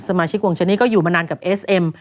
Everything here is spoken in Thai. สมาชิกวงชนนี้ก็อยู่มานานกับเอสเอ็ม